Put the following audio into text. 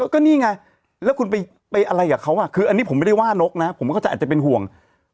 ก็นี่ไงแล้วคุณไปอะไรกับเขาคืออันนี้ผมไม่ได้ว่านกนะผมก็จะอาจจะเป็นห่วง